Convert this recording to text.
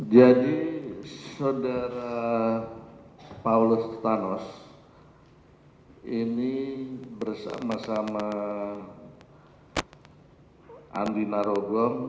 jadi saudara paulus tarlos ini bersama sama andi narogom